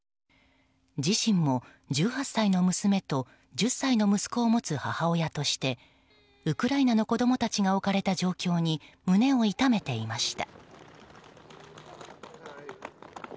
自身も１８歳の娘と１０歳の息子を持つ母親としてウクライナの子供たちが置かれた状況に胸を痛めていました。